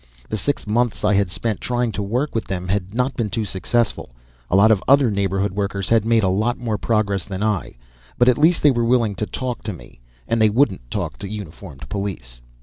The six months I had spent trying to work with them had not been too successful a lot of the other neighborhood workers had made a lot more progress than I but at least they were willing to talk to me; and they wouldn't talk to uniformed police.